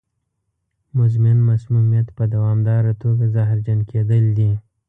مزمن مسمومیت په دوامداره توګه زهرجن کېدل دي.